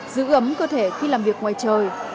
giữ ấm cơ thể khi làm việc ngoài trời